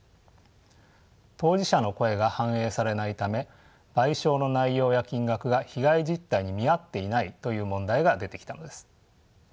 当事者の声が反映されないため賠償の内容や金額が被害実態に見合っていないという問題が出てきたのです。